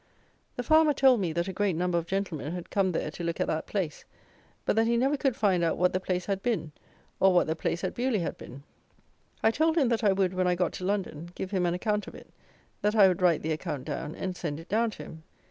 The farmer told me that a great number of gentlemen had come there to look at that place; but that he never could find out what the place had been, or what the place at Beuley had been. I told him that I would, when I got to London, give him an account of it; that I would write the account down, and send it down to him.